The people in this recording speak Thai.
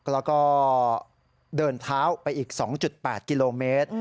แล้วก็เดินเท้าไปอีก๒๘กิโลเมตร